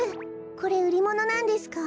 これうりものなんですか？